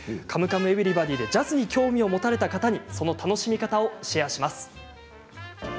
「カムカムエヴリバディ」でジャズに興味を持たれた方にその楽しみ方をシェアします。